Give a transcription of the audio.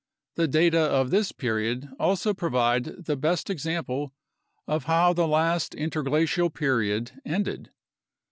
The data of this period also provide the best example of how the last interglacial period ended.